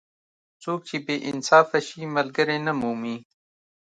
څوک چې بې انصافه شي؛ ملګری نه مومي.